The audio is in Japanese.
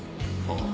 ああ。